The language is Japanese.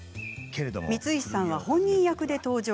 光石さんは本人役で登場。